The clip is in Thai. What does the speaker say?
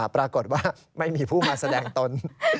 ปรากฏว่าไม่มีผู้มาแสดงตน